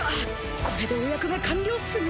これでお役目完了っすね